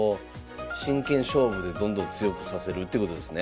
真剣勝負でどんどん強くさせるってことですね。